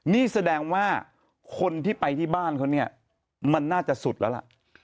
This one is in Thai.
นี่แสดงว่าคนที่ไปที่บ้านเขาเนี่ยมันน่าจะสุดแล้วล่ะ